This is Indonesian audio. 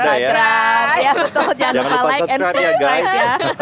jangan lupa subscribe ya guys